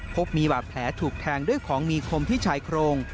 พบมีบาดแผลถูกแทงด้วยของมีคมที่ชายโครง